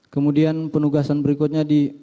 kemudian penugasan berikutnya di